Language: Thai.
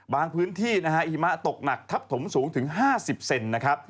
บางพื้นที่อิฮิมาตกหนักทับถมสูงถึง๕๐เซ็นต์